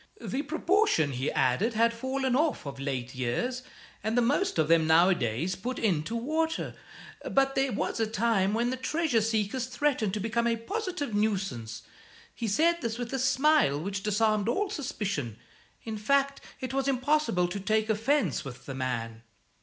The proportion, he added, had fallen off of late years, and the most of them nowadays put in to water, but there was a time when the treasure seekers threatened to become a positive nuisance. He said this with a smile which disarmed all suspicion. In fact, it was impossible to take offence with the man."